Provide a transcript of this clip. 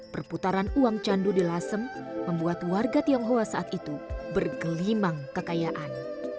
perputaran uang candu di lasem membuat warga tionghoa saat itu bergelimang kekayaan